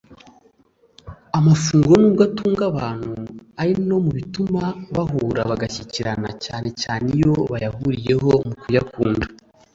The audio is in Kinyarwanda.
Amafunguro nubwo atunga abantu ari no mu bituma bahura bagashyikirana cyane cyane iyo bayahuriyeho mu kuyakunda